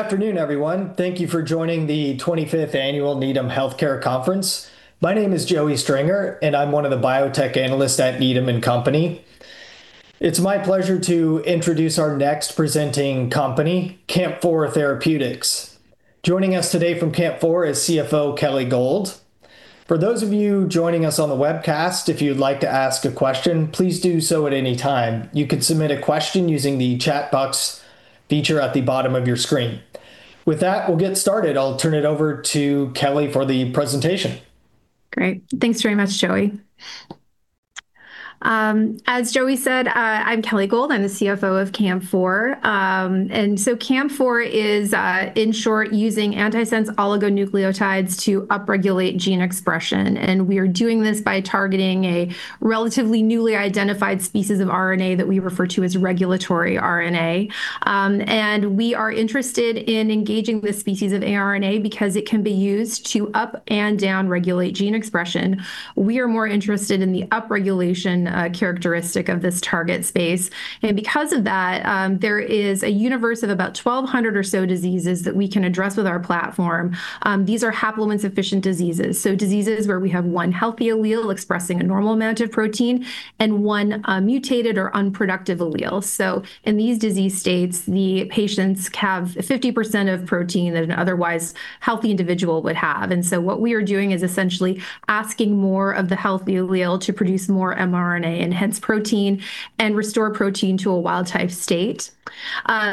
Good afternoon, everyone. Thank you for joining the 25th Annual Needham Healthcare Conference. My name is Joey Stringer, and I'm one of the biotech analysts at Needham & Company. It's my pleasure to introduce our next presenting company, CAMP4 Therapeutics. Joining us today from CAMP4 is CFO Kelly Gold. For those of you joining us on the webcast, if you'd like to ask a question, please do so at any time. You can submit a question using the chat box feature at the bottom of your screen. With that, we'll get started. I'll turn it over to Kelly for the presentation. Great. Thanks very much, Joey. As Joey said, I'm Kelly Gold. I'm the CFO of CAMP4. CAMP4 is, in short, using antisense oligonucleotides to upregulate gene expression. We are doing this by targeting a relatively newly identified species of RNA that we refer to as regulatory RNA. We are interested in engaging this species of RNA because it can be used to up and down regulate gene expression. We are more interested in the upregulation characteristic of this target space. Because of that, there is a universe of about 1,200 or so diseases that we can address with our platform. These are haploinsufficient diseases, so diseases where we have one healthy allele expressing a normal amount of protein and one mutated or unproductive allele. In these disease states, the patients have 50% of protein that an otherwise healthy individual would have. What we are doing is essentially asking more of the healthy allele to produce more mRNA, enhance protein, and restore protein to a wild-type state.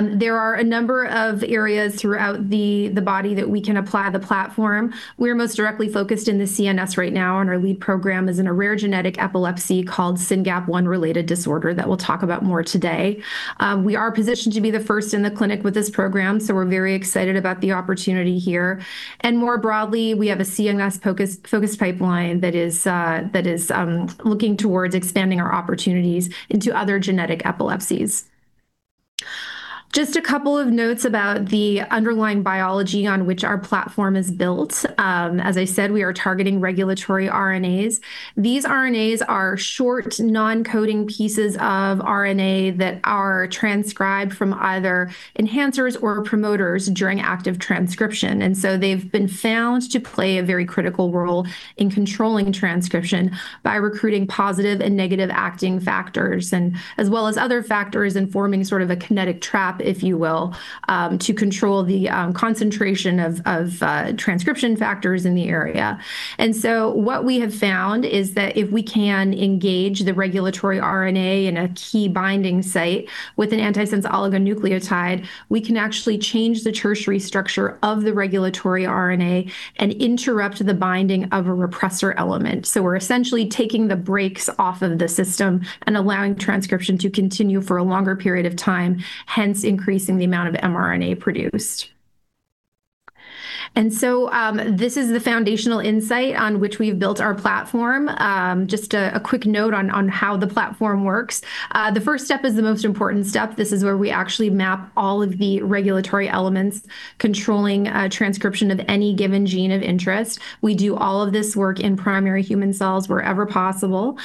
There are a number of areas throughout the body that we can apply the platform. We're most directly focused in the CNS right now, and our lead program is in a rare genetic epilepsy called SYNGAP1-related disorder that we'll talk about more today. We are positioned to be the first in the clinic with this program, so we're very excited about the opportunity here. More broadly, we have a CNS-focused pipeline that is looking towards expanding our opportunities into other genetic epilepsies. Just a couple of notes about the underlying biology on which our platform is built. As I said, we are targeting regulatory RNAs. These RNAs are short, non-coding pieces of RNA that are transcribed from either enhancers or promoters during active transcription. They've been found to play a very critical role in controlling transcription by recruiting positive and negative acting factors, and as well as other factors in forming sort of a kinetic trap, if you will, to control the concentration of transcription factors in the area. What we have found is that if we can engage the regulatory RNA in a key binding site with an antisense oligonucleotide, we can actually change the tertiary structure of the regulatory RNA and interrupt the binding of a repressor element. We're essentially taking the brakes off of the system and allowing transcription to continue for a longer period of time, hence increasing the amount of mRNA produced. This is the foundational insight on which we've built our platform. Just a quick note on how the platform works. The first step is the most important step. This is where we actually map all of the regulatory elements controlling transcription of any given gene of interest. We do all of this work in primary human cells wherever possible.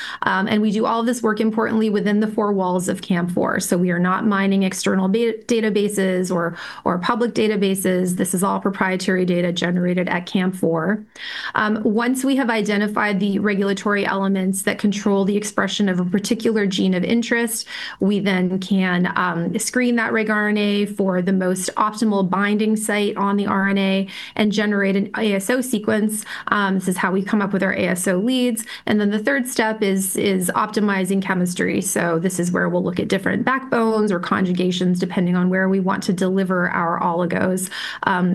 We do all this work, importantly, within the four walls of CAMP4. We are not mining external databases or public databases. This is all proprietary data generated at CAMP4. Once we have identified the regulatory elements that control the expression of a particular gene of interest, we then can screen that regRNA for the most optimal binding site on the RNA and generate an ASO sequence. This is how we come up with our ASO leads. The third step is optimizing chemistry. This is where we'll look at different backbones or conjugations depending on where we want to deliver our oligos.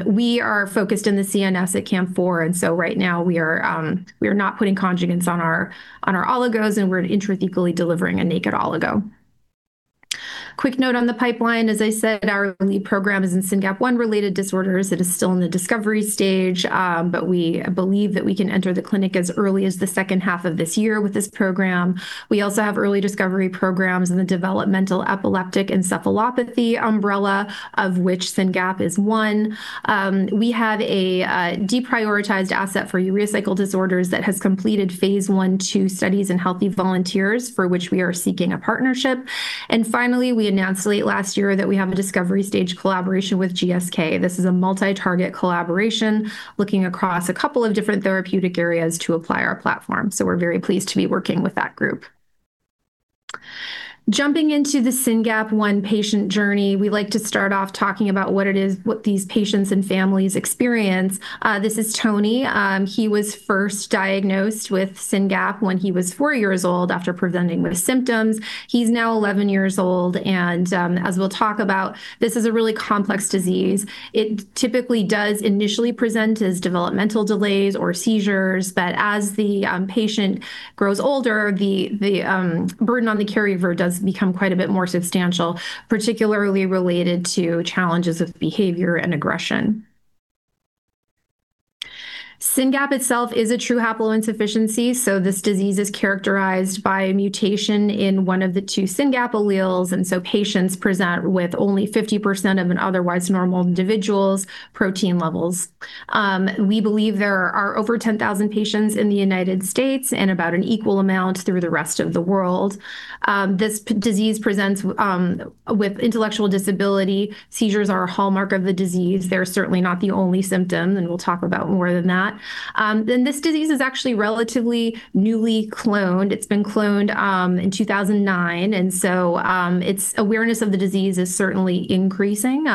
We are focused in the CNS at CAMP4, and so right now we are not putting conjugates on our oligos, and we're intrathecally delivering a naked oligo. Quick note on the pipeline. As I said, our lead program is in SYNGAP1-related disorders. It is still in the discovery stage, but we believe that we can enter the clinic as early as the second half of this year with this program. We also have early discovery programs in the developmental epileptic encephalopathy umbrella, of which SYNGAP is one. We have a deprioritized asset for urea cycle disorders that has completed phase I/II studies in healthy volunteers, for which we are seeking a partnership. Finally, we announced late last year that we have a discovery stage collaboration with GSK. This is a multi-target collaboration looking across a couple of different therapeutic areas to apply our platform. We're very pleased to be working with that group. Jumping into the SYNGAP1 patient journey, we like to start off talking about what it is, what these patients and families experience. This is Tony. He was first diagnosed with SYNGAP when he was four years old after presenting with symptoms. He's now 11 years old, and, as we'll talk about, this is a really complex disease. It typically does initially present as developmental delays or seizures, but as the patient grows older, the burden on the caregiver does become quite a bit more substantial, particularly related to challenges of behavior and aggression. SYNGAP itself is a true haploinsufficiency, so this disease is characterized by a mutation in one of the two SYNGAP alleles, and so patients present with only 50% of an otherwise normal individual's protein levels. We believe there are over 10,000 patients in the United States and about an equal amount through the rest of the world. This disease presents with intellectual disability. Seizures are a hallmark of the disease. They're certainly not the only symptom, and we'll talk about more than that. Then this disease is actually relatively newly cloned. It's been cloned in 2009, and so its awareness of the disease is certainly increasing.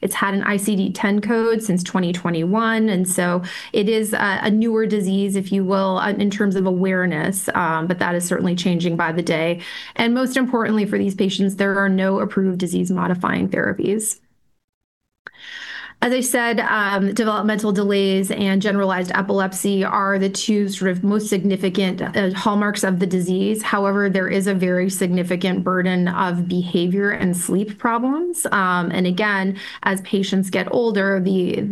It's had an ICD-10 code since 2021, and so it is a newer disease, if you will, in terms of awareness. But that is certainly changing by the day. And most importantly for these patients, there are no approved disease-modifying therapies. As I said, developmental delays and generalized epilepsy are the two sort of most significant hallmarks of the disease. However, there is a very significant burden of behavior and sleep problems. And again, as patients get older, the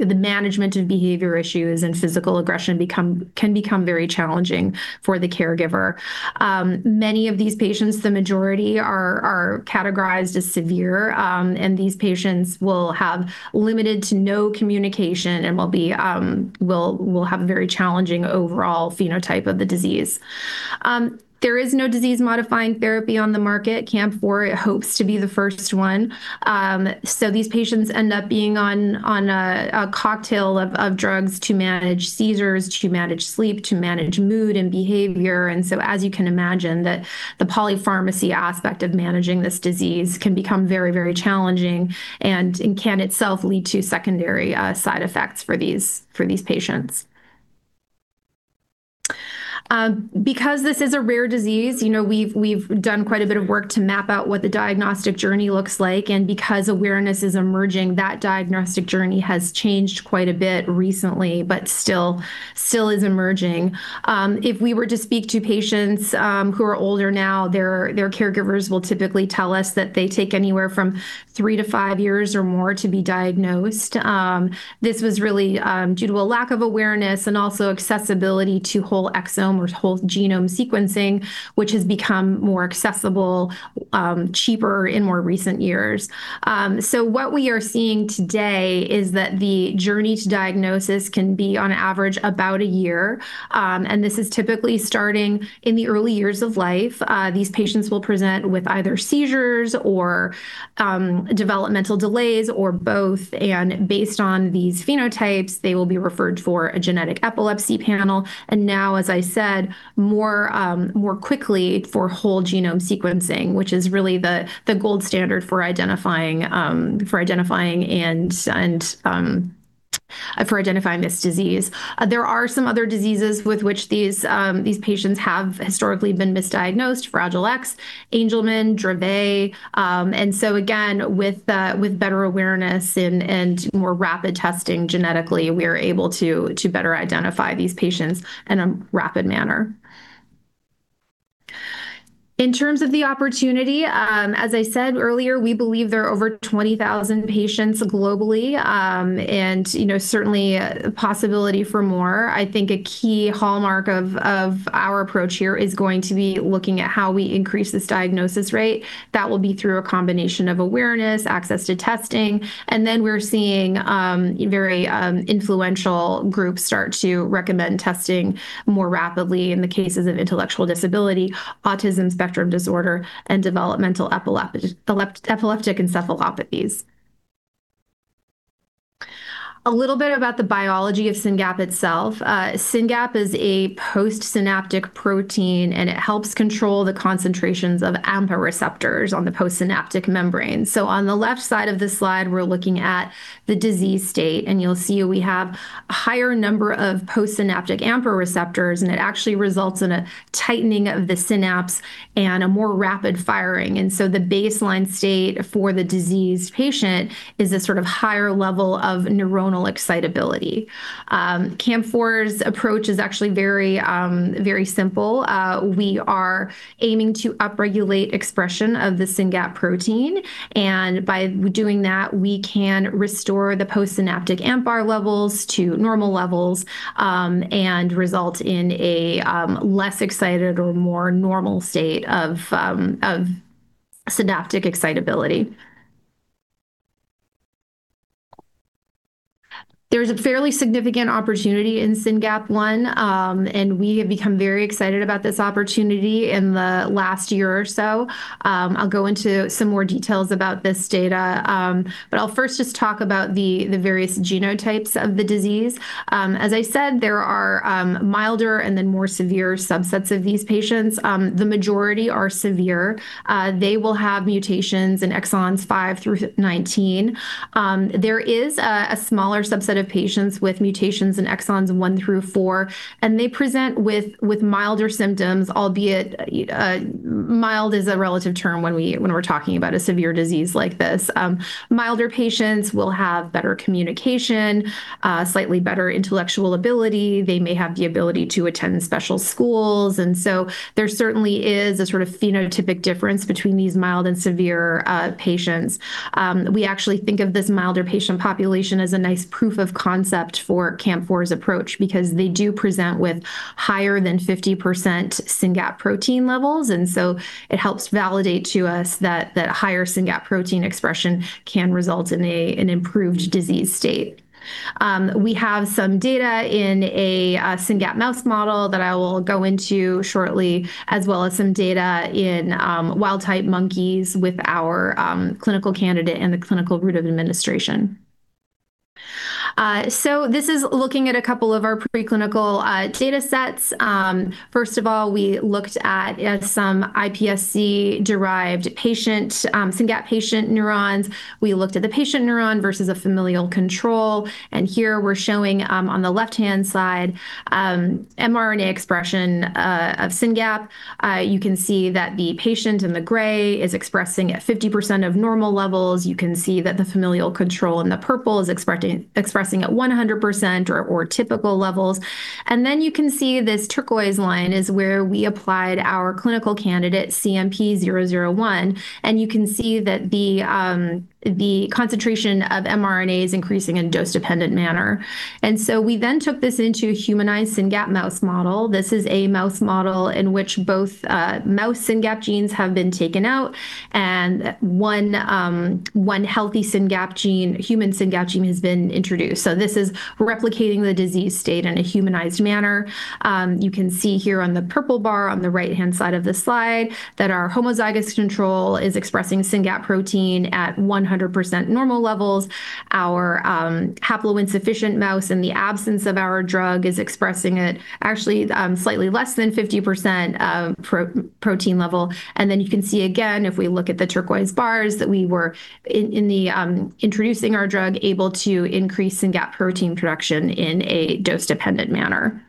management of behavior issues and physical aggression become, can become very challenging for the caregiver. Many of these patients, the majority, are categorized as severe. These patients will have limited to no communication and will have a very challenging overall phenotype of the disease. There is no disease-modifying therapy on the market. CAMP4 hopes to be the first one. These patients end up being on a cocktail of drugs to manage seizures, to manage sleep, to manage mood and behavior. As you can imagine, the polypharmacy aspect of managing this disease can become very very challenging and can itself lead to secondary side effects for these, for these patients. Because this is a rare disease, we've done quite a bit of work to map out what the diagnostic journey looks like. Because awareness is emerging, that diagnostic journey has changed quite a bit recently, but still, still is emerging. If we were to speak to patients who are older now, their caregivers will typically tell us that they take anywhere from three-five years or more to be diagnosed. This was really due to a lack of awareness and also accessibility to whole exome or whole-genome sequencing, which has become more accessible, cheaper in more recent years. What we are seeing today is that the journey to diagnosis can be, on average, about a year. This is typically starting in the early years of life. These patients will present with either seizures or developmental delays, or both. Based on these phenotypes, they will be referred for a genetic epilepsy panel. Now, as I said, more quickly for whole-genome sequencing, which is really the gold standard for identifying, for identifying its, for identifying this disease. There are some other diseases with which these patients have historically been misdiagnosed, Fragile X, Angelman, Dravet. Again, with better awareness and more rapid testing genetically, we are able to to better identify these patients in a rapid manner. In terms of the opportunity, as I said earlier, we believe there are over 20,000 patients globally and certainly a possibility for more. I think a key hallmark of of our approach here is going to be looking at how we increase this diagnosis rate. That will be through a combination of awareness, access to testing, and then we're seeing very influential groups start to recommend testing more rapidly in the cases of intellectual disability, autism spectrum disorder, and developmental epileptic encephalopathies. A little bit about the biology of SYNGAP itself, SYNGAP is a postsynaptic protein, and it helps control the concentrations of AMPA receptors on the postsynaptic membrane. On the left side of the slide, we're looking at the disease state, and you'll see we have a higher number of postsynaptic AMPA receptors, and it actually results in a tightening of the synapse and a more rapid firing. The baseline state for the diseased patient is a sort of higher level of neuronal excitability. CAMP4's approach is actually very very simple. We are aiming to upregulate expression of the SYNGAP protein. By doing that, we can restore the postsynaptic AMPA levels to normal levels and result in a less excited or more normal state of synaptic excitability. There's a fairly significant opportunity in SYNGAP1, and we have become very excited about this opportunity in the last year or so. I'll go into some more details about this data, but I'll first just talk about the various genotypes of the disease. As I said, there are milder and then more severe subsets of these patients. The majority are severe. They will have mutations in exons five through 19. There is a smaller subset of patients with mutations in exons one through four, and they present with milder symptoms, albeit mild is a relative term when we're talking about a severe disease like this. Milder patients will have better communication, slightly better intellectual ability. They may have the ability to attend special schools. There certainly is a sort of phenotypic difference between these mild and severe patients. We actually think of this milder patient population as a nice proof of concept for CAMP4's approach because they do present with higher than 50% SYNGAP protein levels. It helps validate to us that higher SYNGAP protein expression can result in an improved disease state. We have some data in a SYNGAP mouse model that I will go into shortly, as well as some data in wild-type monkeys with our clinical candidate and the clinical route of administration. This is looking at a couple of our preclinical data sets. First of all, we looked at some iPSC-derived SYNGAP patient neurons. We looked at the patient neuron versus a familial control. Here we're showing on the left-hand side, mRNA expression of SYNGAP. You can see that the patient in the gray is expressing at 50% of normal levels. You can see that the familial control in the purple is expressing at 100%, or typical levels. You can see this turquoise line is where we applied our clinical candidate, CMP-001, and you can see that the concentration of mRNA is increasing in a dose-dependent manner. We then took this into a humanized SYNGAP mouse model. This is a mouse model in which both mouse SYNGAP genes have been taken out, and one healthy SYNGAP gene human SYNGAP gene has been introduced. This is replicating the disease state in a humanized manner. You can see here on the purple bar on the right-hand side of the slide that our homozygous control is expressing SYNGAP protein at 100% normal levels. Our haploinsufficient mouse in the absence of our drug is expressing it actually slightly less than 50% of protein level. You can see again, if we look at the turquoise bars, that we were, in introducing our drug, able to increase SYNGAP protein production in a dose-dependent manner.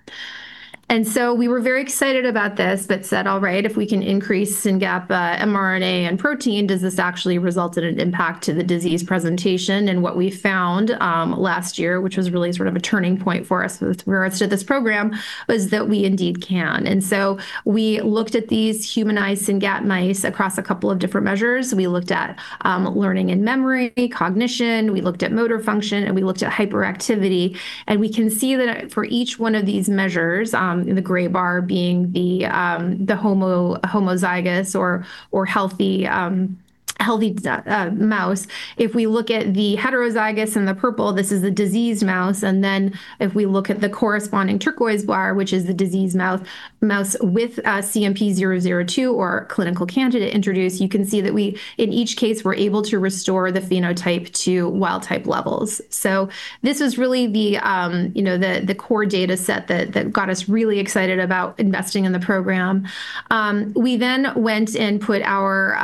We were very excited about this, but said, all right, if we can increase SYNGAP mRNA and protein, does this actually result in an impact to the disease presentation? What we found last year, which was really sort of a turning point for us with regards to this program, was that we indeed can. We looked at these humanized SYNGAP mice across a couple of different measures. We looked at learning and memory, cognition, we looked at motor function, and we looked at hyperactivity. We can see that for each one of these measures, the gray bar being the homozygous or healthy mouse, if we look at the heterozygous in the purple, this is the diseased mouse. If we look at the corresponding turquoise bar, which is the diseased mouse with CMP-002, or clinical candidate introduced, you can see that we, in each case, were able to restore the phenotype to wild-type levels. This was really the core data set that got us really excited about investing in the program. We then went and put our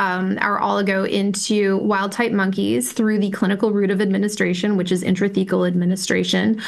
oligo into wild-type monkeys through the clinical route of administration, which is intrathecal administration.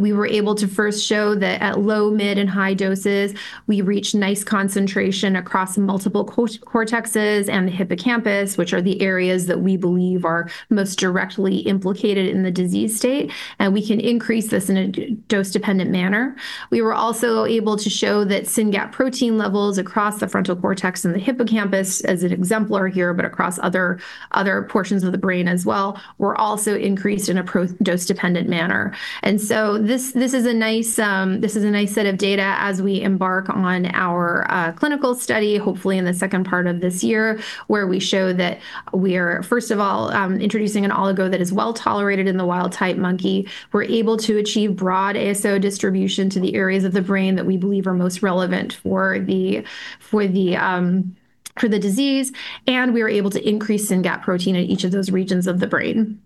We were able to first show that at low, mid, and high doses, we reach nice concentration across multiple cortexes and the hippocampus, which are the areas that we believe are most directly implicated in the disease state, and we can increase this in a dose-dependent manner. We were also able to show that SYNGAP protein levels across the frontal cortex and the hippocampus as an exemplar here, but across other portions of the brain as well, were also increased in a dose-dependent manner. This is a nice set of data as we embark on our clinical study, hopefully in the second part of this year, where we show that we are, first of all, introducing an oligo that is well-tolerated in the wild-type monkey. We're able to achieve broad ASO distribution to the areas of the brain that we believe are most relevant for the, for the, for the disease. We are able to increase SYNGAP protein in each of those regions of the brain.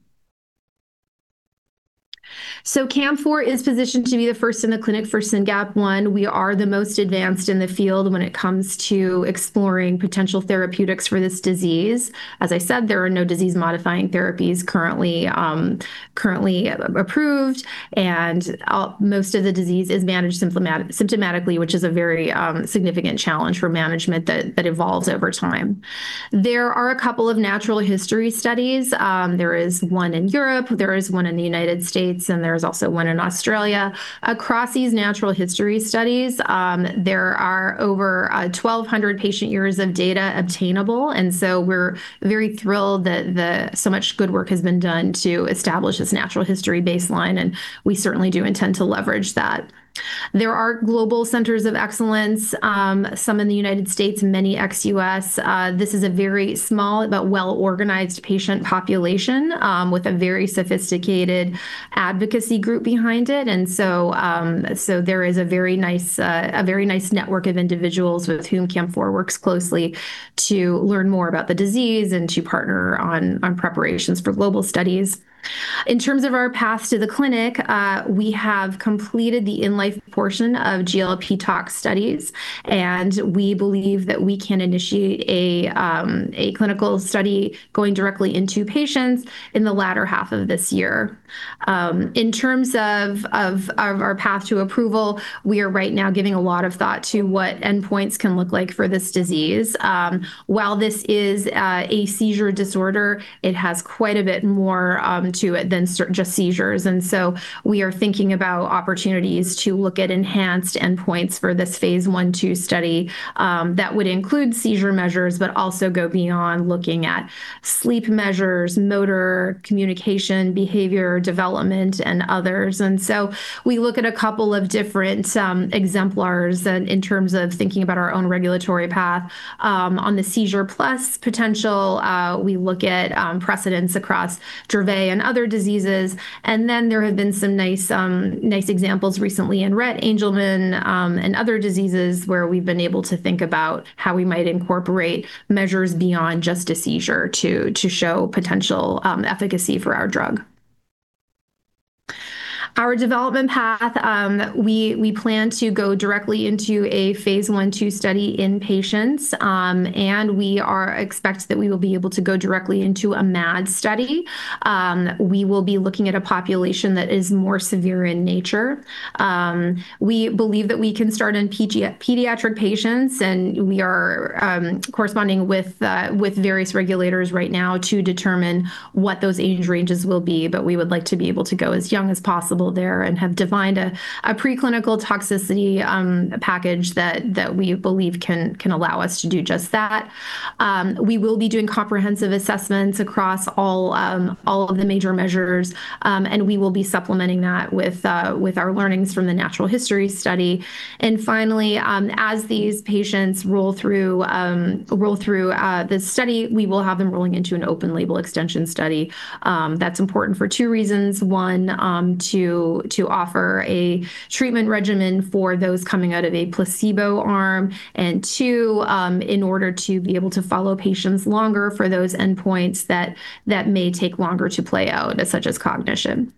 CAMP4 is positioned to be the first in the clinic for SYNGAP1. We are the most advanced in the field when it comes to exploring potential therapeutics for this disease. As I said, there are no disease-modifying therapies currently approved, and most of the disease is managed symptomatically, which is a very significant challenge for management that evolves over time. There are a couple of natural history studies. There is one in Europe, there is one in the United States, and there's also one in Australia. Across these natural history studies, there are over 1,200 patient years of data obtainable, and so we're very thrilled that so much good work has been done to establish this natural history baseline, and we certainly do intend to leverage that. There are global centers of excellence, some in the United States, many ex-U.S. This is a very small but well-organized patient population with a very sophisticated advocacy group behind it. There is a very nice network of individuals with whom CAMP4 works closely to learn more about the disease and to partner on preparations for global studies. In terms of our path to the clinic, we have completed the in-life portion of GLP tox studies, and we believe that we can initiate a clinical study going directly into patients in the latter half of this year. In terms of our path to approval, we are right now giving a lot of thought to what endpoints can look like for this disease. While this is a seizure disorder, it has quite a bit more to it than just seizures. We are thinking about opportunities to look at enhanced endpoints for this phase I, phase II study that would include seizure measures, but also go beyond looking at sleep measures, motor, communication, behavior, development, and others. We look at a couple of different exemplars in terms of thinking about our own regulatory path. On the seizure plus potential, we look at precedents across Dravet and other diseases. There have been some nice examples recently in Rett, Angelman, and other diseases where we've been able to think about how we might incorporate measures beyond just a seizure to show potential efficacy for our drug. Our development path, we plan to go directly into a phase I, phase II study in patients. We expect that we will be able to go directly into a MAD study. We will be looking at a population that is more severe in nature. We believe that we can start in pediatric patients, and we are corresponding with various regulators right now to determine what those age ranges will be. We would like to be able to go as young as possible there and have defined a preclinical toxicity package that we believe can allow us to do just that. We will be doing comprehensive assessments across all of the major measures. We will be supplementing that with our learnings from the natural history study. Finally, as these patients roll through the study, we will have them rolling into an open-label extension study. That's important for two reasons. One, to offer a treatment regimen for those coming out of a placebo arm. Two, in order to be able to follow patients longer for those endpoints that may take longer to play out, such as cognition.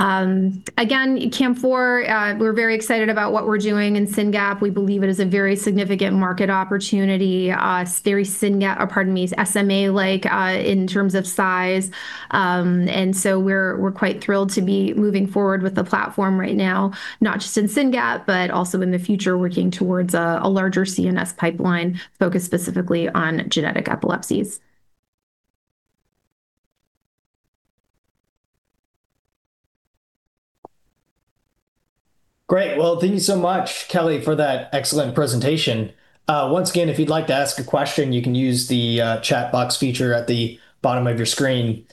Again, CAMP4, we're very excited about what we're doing in SYNGAP. We believe it is a very significant market opportunity, still SYNGAP is very SMA-like, in terms of size. We're quite thrilled to be moving forward with the platform right now, not just in SYNGAP, but also in the future, working towards a larger CNS pipeline focused specifically on genetic epilepsies. Great. Well, thank you so much, Kelly, for that excellent presentation. Once again, if you'd like to ask a question, you can use the chat box feature at the bottom of your screen.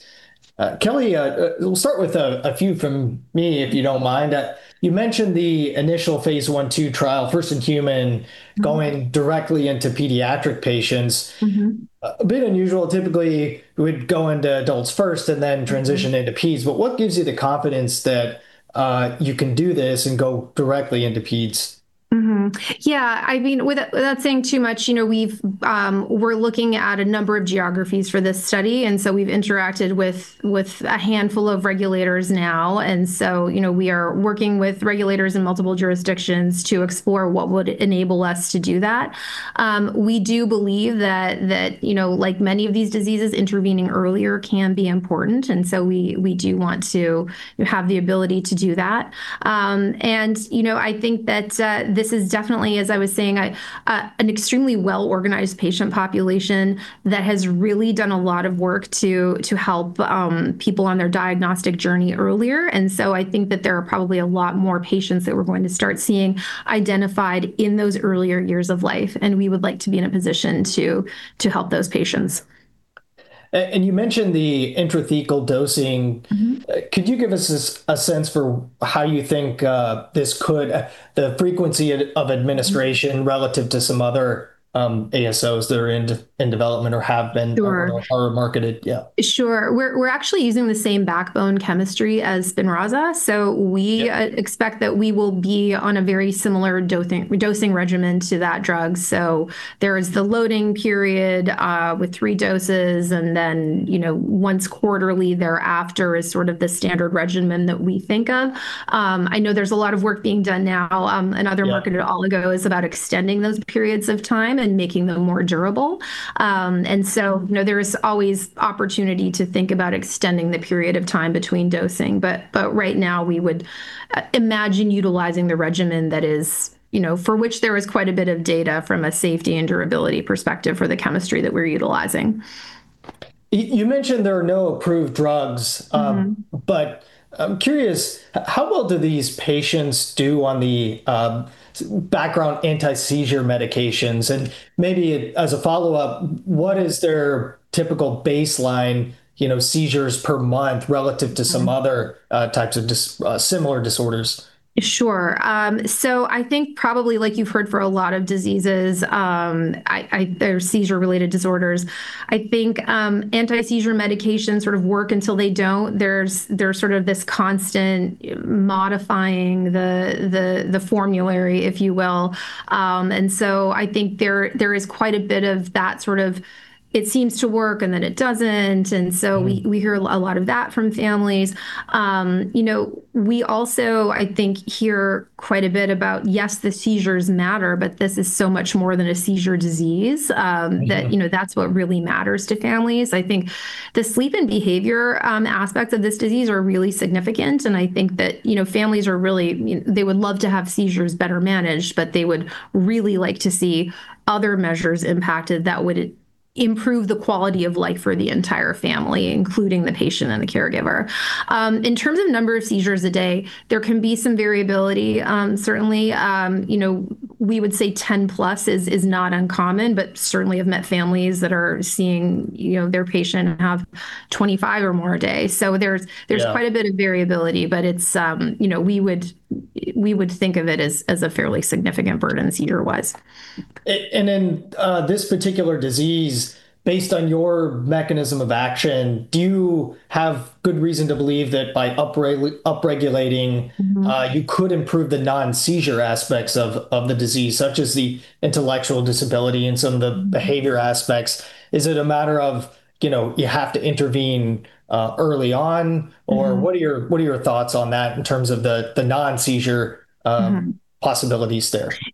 Kelly, we'll start with a few from me, if you don't mind. You mentioned the initial phase I, phase II trial, first-in-human - Mm-hmm. Going directly into pediatric patients. Mm-hmm. A bit unusual, typically, we'd go into adults first and then transition into peds. What gives you the confidence that you can do this and go directly into peds? Mm-hmm. Yeah. Without saying too much, we're looking at a number of geographies for this study, and so we've interacted with a handful of regulators now. We are working with regulators in multiple jurisdictions to explore what would enable us to do that. We do believe that like many of these diseases, intervening earlier can be important, and so we do want to have the ability to do that. I think that this is definitely, as I was saying, an extremely well-organized patient population that has really done a lot of work to help people on their diagnostic journey earlier. I think that there are probably a lot more patients that we're going to start seeing identified in those earlier years of life, and we would like to be in a position to help those patients. You mentioned the intrathecal dosing- Mm-hmm. Could you give us a sense for how you think the frequency of administration relative to some other ASOs that are in development or have been- Sure. Are marketed? Yeah. Sure. We're actually using the same backbone chemistry as Spinraza. Yeah. We expect that we will be on a very similar dosing regimen to that drug. There is the loading period with three doses, and then once quarterly thereafter is sort of the standard regimen that we think of. I know there's a lot of work being done now. Yeah. At Oligo is about extending those periods of time and making them more durable. There is always opportunity to think about extending the period of time between dosing. Right now, we would imagine utilizing the regimen for which there is quite a bit of data from a safety and durability perspective for the chemistry that we're utilizing. You mentioned there are no approved drugs. Mm-hmm. I'm curious, how well do these patients do on the background anti-seizure medications? Maybe as a follow-up, what is their typical baseline seizures per month relative to some other types of similar disorders? Sure. I think probably like you've heard for a lot of diseases, or seizure-related disorders, I think anti-seizure medications sort of work until they don't. There's sort of this constant modifying the formulary, if you will. I think there is quite a bit of that sort of it seems to work and then it doesn't. We hear a lot of that from families. We also, I think, hear quite a bit about, yes, the seizures matter, but this is so much more than a seizure disease. Mm-hmm. That's what really matters to families. I think the sleep and behavior aspect of this disease are really significant. I think that families are really, they would love to have seizures better managed. They would really like to see other measures impacted that would improve the quality of life for the entire family, including the patient and the caregiver. In terms of number of seizures a day, there can be some variability. Certainly, we would say 10+ is not uncommon, but certainly have met families that are seeing their patient have 25 or more a day. Yeah. There's quite a bit of variability, but we would think of it as a fairly significant burden seizure-wise. This particular disease, based on your mechanism of action, do you have good reason to believe that by up-regulating- Mm-hmm. You could improve the non-seizure aspects of the disease, such as the intellectual disability and some of the behavior aspects? Is it a matter of you have to intervene early on? Mm-hmm. Or, what are your thoughts on that in terms of the non-seizure- Mm-hmm. Possibilities there?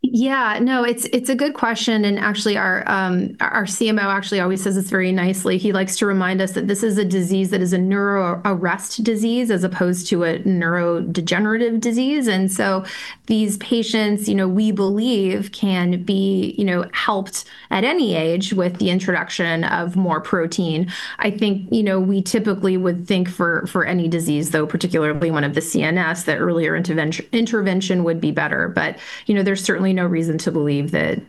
Yeah. No, it's a good question. Actually, our CMO actually always says this very nicely. He likes to remind us that this is a disease that is a neuroarrest disease as opposed to a neurodegenerative disease. These patients, we believe can be helped at any age with the introduction of more protein. I think we typically would think for any disease, though, particularly one of the CNS, that earlier intervention would be better. There's certainly no reason to believe that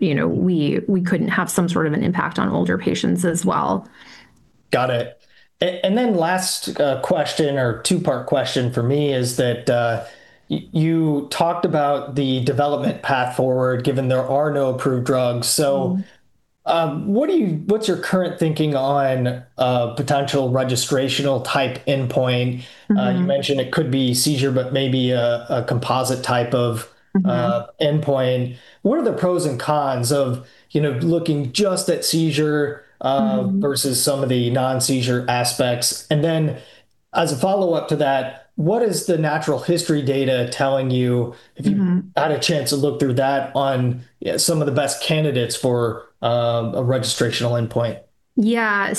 we couldn't have some sort of an impact on older patients as well. Got it. Last question or two-part question for me is that you talked about the development path forward, given there are no approved drugs. Mm-hmm. What's your current thinking on a potential registrational-type endpoint? Mm-hmm. You mentioned it could be seizure, but maybe a composite type of- Mm-hmm. Endpoint. What are the pros and cons of looking just at seizure? Mm-hmm. Versus some of the non-seizure aspects? As a follow-up to that, what is the natural history data telling you? Mm-hmm. If you've had a chance to look through that on some of the best candidates for a registrational endpoint? Yeah. We're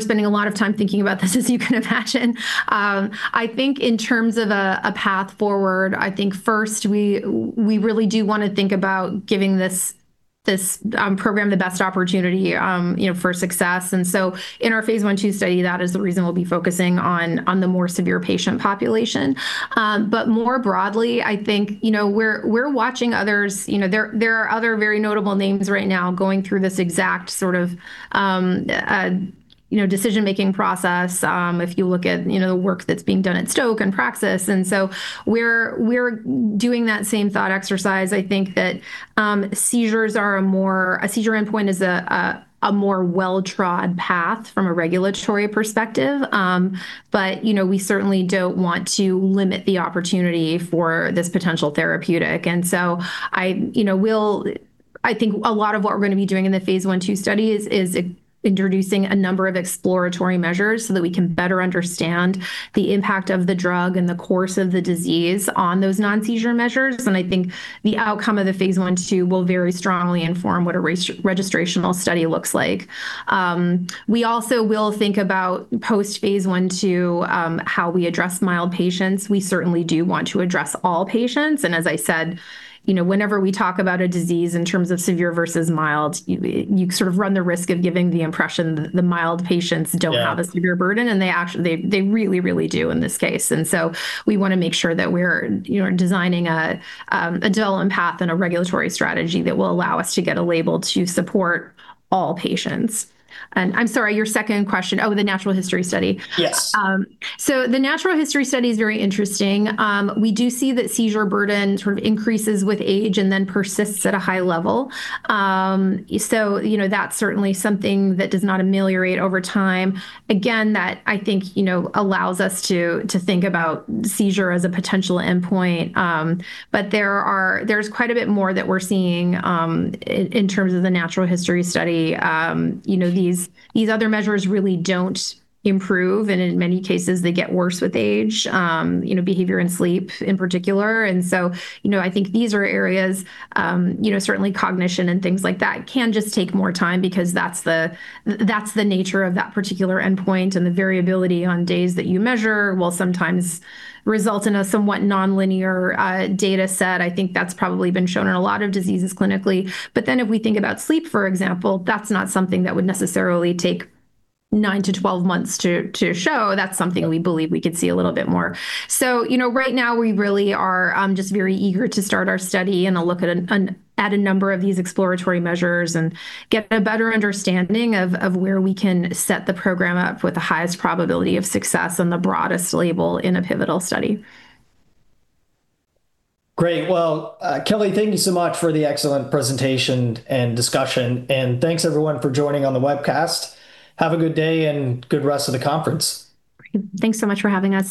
spending a lot of time thinking about this as you can imagine. I think in terms of a path forward, I think first we really do want to think about giving this program the best opportunity for success. In our phase I, phase II study, that is the reason we'll be focusing on the more severe patient population. More broadly, I think, we're watching others. There are other very notable names right now going through this exact sort of decision-making process, if you look at the work that's being done at Stoke and Praxis. We're doing that same thought exercise. I think that a seizure endpoint is a more well-trod path from a regulatory perspective, but we certainly don't want to limit the opportunity for this potential therapeutic. I think a lot of what we're going to be doing in the phase I, phase II study is introducing a number of exploratory measures so that we can better understand the impact of the drug and the course of the disease on those non-seizure measures. I think the outcome of the phase I/II will very strongly inform what a registrational study looks like. We also will think about post-phase I, phase II how we address mild patients. We certainly do want to address all patients. Yeah. Patients have a severe burden, and they really, really do in this case. We want to make sure that we're designing a development path and a regulatory strategy that will allow us to get a label to support all patients. I'm sorry, your second question, oh, the natural history study. Yes. The natural history study is very interesting. We do see that seizure burden sort of increases with age and then persist at a high level. That's certainly something that does not ameliorate over time. Again, that I think allows us to think about seizure as a potential endpoint. There's quite a bit more that we're seeing in terms of the natural history study. These other measures really don't improve, and in many cases, they get worse with age, behavior and sleep in particular. I think these are areas. Certainly cognition and things like that can just take more time because that's the nature of that particular endpoint. The variability on days that you measure will sometimes result in a somewhat nonlinear data set. I think that's probably been shown in a lot of diseases clinically. If we think about sleep, for example, that's not something that would necessarily take nine to 12 months to show. That's something we believe we could see a little bit more. Right now, we really are just very eager to start our study and look at a number of these exploratory measures and get a better understanding of where we can set the program up with the highest probability of success and the broadest label in a pivotal study. Great. Well, Kelly, thank you so much for the excellent presentation and discussion. Thanks everyone for joining on the webcast. Have a good day and good rest of the conference. Great. Thanks so much for having us.